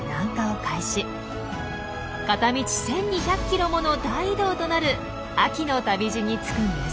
片道１，２００ｋｍもの大移動となる秋の旅路につくんです。